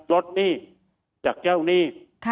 ลดหนี้จากเจ้าหนี้